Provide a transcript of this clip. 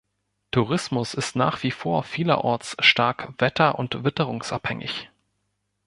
Tourismus ist nach wie vor vielerorts stark wetter- und witterungsabhängig.